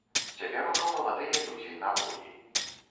Цяпер ужо маладыя людзі на волі.